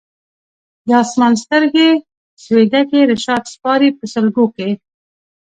د اسمان سترګي سوې ډکي رشاد سپاري په سلګو کي